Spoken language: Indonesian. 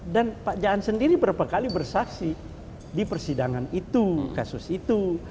dan pak jaan sendiri berapa kali bersaksi di persidangan itu kasus itu